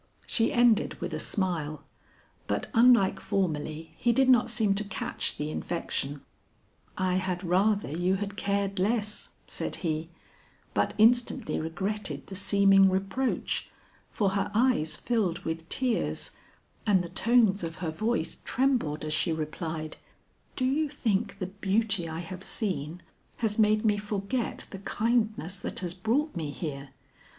She ended with a smile, but unlike formerly he did not seem to catch the infection. "I had rather you had cared less," said he, but instantly regretted the seeming reproach, for her eyes filled with tears and the tones of her voice trembled as she replied, "Do you think the beauty I have seen has made me forget the kindness that has brought me here?